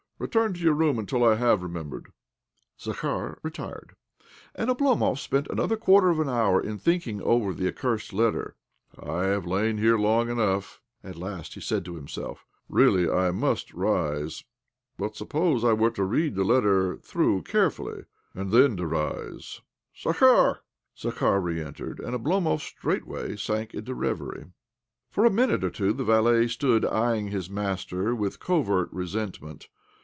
Return to your room until I have remembered." Zakhar retired, and Oblomov spent another quarter of an hour in thinking over the accursed letter. " I have lain here long enough," at last he said to himself. "Really, I ntusi rise. ... But suppose I were to read' the letter through carefully and then to rise? Zak har I " Zakhar re entered, and Oblomov straight way sank into a reverie. For a minute or two the vakt stood eyeing his master with covert resentment.